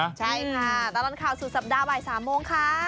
ใช่ค่ะตลอดข่าวสุดสัปดาห์บ่าย๓โมงค่ะ